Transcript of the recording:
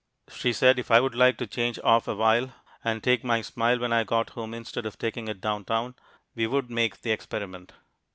She said if I would like to change off awhile, and take my smile when I got home instead of taking it down town, we would make the experiment.